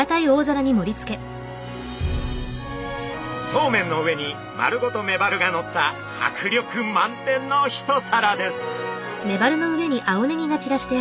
そうめんの上に丸ごとメバルがのった迫力満点の一皿です。